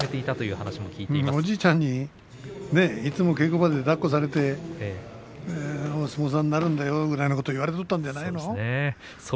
おじいちゃんにいつも稽古場でだっこされてお相撲さんになるんだよぐらい言われておったんではないの。